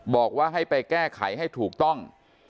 บอกว่าให้ไปแก้ไขให้ถูกต้อง